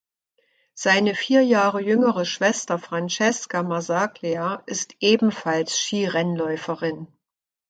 Seine vier Jahre jüngere Schwester Francesca Marsaglia ist ebenfalls Skirennläuferin.